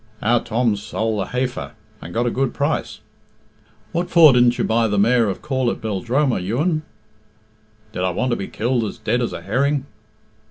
"Our Thorn's sowl a hafer, and got a good price." "What for didn't you buy the mare of Corlett Beldroma, Juan?" "Did I want to be killed as dead as a herring?"